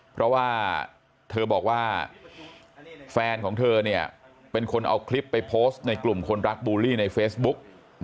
เพราะว่าเธอบอกว่าแฟนของเธอเป็นคนเอาคลิปไปโพสต์ในกลุ่มคนรักบูลลี่ในเฟซบุ๊ก